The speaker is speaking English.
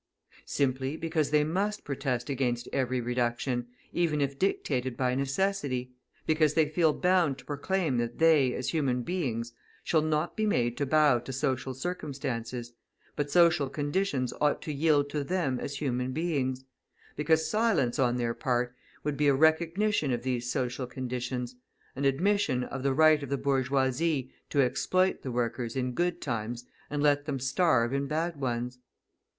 Simply because they must protest against every reduction, even if dictated by necessity; because they feel bound to proclaim that they, as human beings, shall not be made to bow to social circumstances, but social conditions ought to yield to them as human beings; because silence on their part would be a recognition of these social conditions, an admission of the right of the bourgeoisie to exploit the workers in good times and let them starve in bad ones.